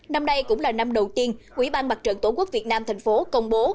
năm đây cũng là năm đầu tiên quỹ ban mặt trận tổ quốc việt nam thành phố công bố